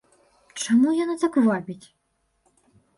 Чаму яна так вабіць?